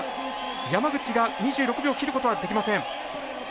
山口が２６秒切ることはできません。